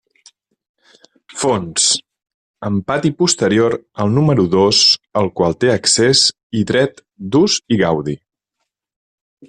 Fons: amb pati posterior al número dos al qual té accés i dret d'ús i gaudi.